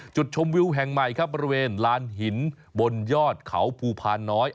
จุดชมวิวแห่งใหม่ครับบริเวณลานหินบนยอดเขาภูพานน้อย